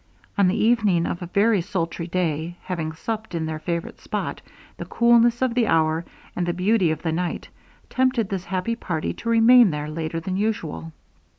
On the evening of a very sultry day, having supped in their favorite spot, the coolness of the hour, and the beauty of the night, tempted this happy party to remain there later than usual.